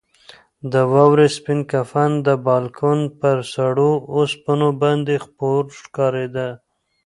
د واورې سپین کفن د بالکن پر سړو اوسپنو باندې خپور ښکارېده.